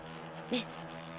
ねっ。